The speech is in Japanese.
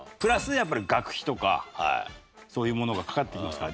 やっぱり学費とかそういうものがかかってきますから。